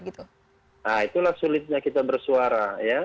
itulah sulitnya kita bersuara